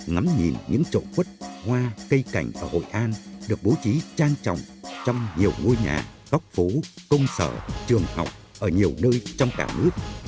ngắm nhìn những chậu quất hoa cây cảnh ở hội an được bố trí trang trọng trong nhiều ngôi nhà góc phố công sở trường học ở nhiều nơi trong cả nước